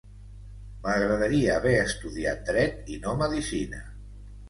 M'agradaria haver estudiat dret i no medicina.